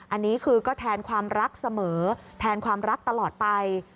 อันนี้คือก็แทนความรักเสมอแทนความรักตลอดไป